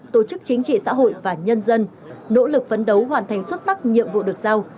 tổ chức chính trị xã hội và nhân dân nỗ lực phấn đấu hoàn thành xuất sắc nhiệm vụ được giao